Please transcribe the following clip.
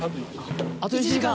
あと１時間！